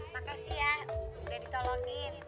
makasih ya udah ditolongin